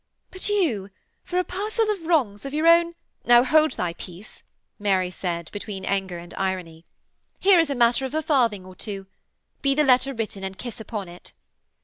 But you, for a parcel of wrongs of your own....' 'Now hold thy peace,' Mary said, between anger and irony. 'Here is a matter of a farthing or two. Be the letter written, and kiss upon it.'